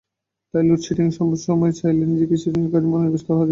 তাই লোডশেডিংয়ের সময় চাইলে নিজেকে সৃজনশীল কাজে মনোনিবেশ করা যাবে।